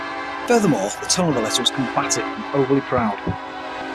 Furthermore, the tone of the letter was combative and overly proud.